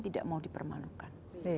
tidak mau dipermanukan